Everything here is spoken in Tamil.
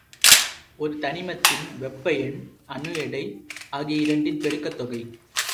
ஒரு தனிமத்தின் வெப்ப எண், அணு எடை ஆகிய இரண்டின் பெருக்கத் தொகை.